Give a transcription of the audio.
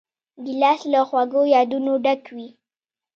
ګیلاس له خوږو یادونو ډک وي.